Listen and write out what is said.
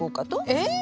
えっ？